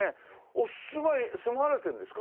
お住まい住まわれてるんですか？